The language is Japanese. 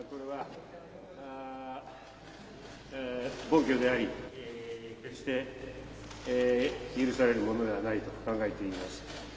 暴挙であり、決して許されるものではないと考えています。